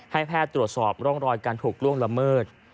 แพทย์ตรวจสอบร่องรอยการถูกล่วงละเมิด